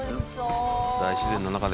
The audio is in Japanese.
大自然の中で。